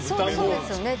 そうですよね。